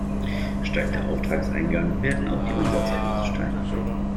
Steigt der Auftragseingang, werden auch die Umsatzerlöse steigen.